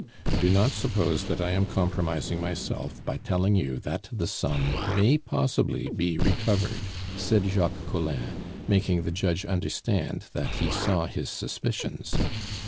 "Do not suppose that I am compromising myself by telling you that the sum may possibly be recovered," said Jacques Collin, making the judge understand that he saw his suspicions.